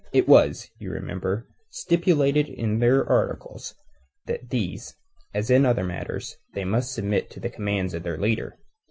It was, you will remember, stipulated in their articles that in these as in other matters they must submit to the commands of their leader.